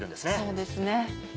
そうですね。